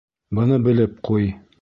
Быны белеп ҡуй!